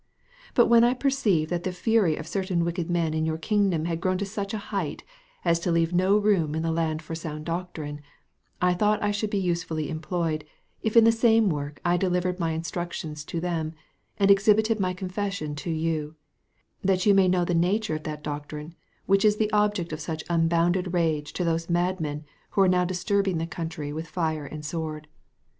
But when I perceived that the fury of certain wicked men in your kingdom had grown to such a height, as to leave no room in the land for sound doctrine, I thought I should be usefully employed, if in the same work I delivered my instructions to them, and exhibited my confession to you, that you may know the nature of that doctrine, which is the object of such unbounded rage to those madmen who are now disturbing the country with fire and sword.